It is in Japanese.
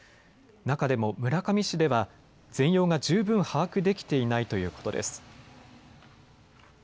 中でも村上市では全容が十分把握できていないということです。